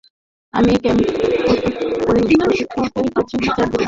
আমি ক্যাম্প প্রশিক্ষকের কাছে বিচার দিবো!